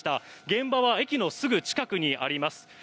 現場は駅のすぐ近くにあります。